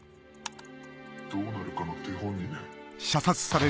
どうなるかの手本にね。